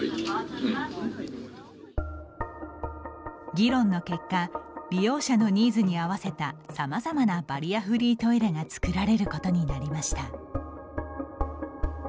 議論の結果利用者のニーズに合わせたさまざまなバリアフリートイレがつくられることになりました。